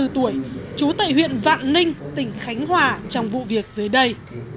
hai mươi bốn tuổi chú tại huyện vạn ninh tỉnh khánh hòa trong vụ việc dưới đây